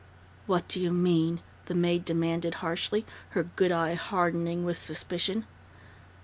"What do you mean?" the maid demanded harshly, her good eye hardening with suspicion.